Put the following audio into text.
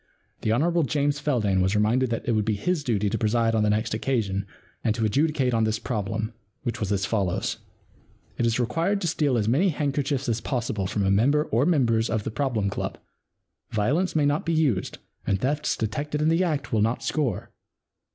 The Hon. James Feldane was reminded that it would be his duty to preside on the next occasion and to adjudicate on this problem, which was as follows :* It is required to steal as many handkerchiefs as possible from a member or members of the Problem Club. Violence may not be used and thefts detected in the act will not score.